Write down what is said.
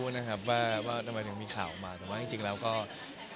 แต่ว่าต้องให้พี่ปิ๊กเล่าให้ฟังว่ามันเป็นอะไร